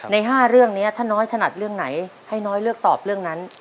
ใน๕เรื่องนี้ถ้าน้อยถนัดเรื่องไหนให้น้อยเลือกตอบเรื่องนั้น